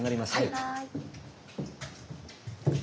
はい。